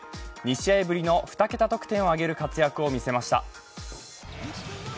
２試合ぶりの２桁得点を挙げる活躍を見せました。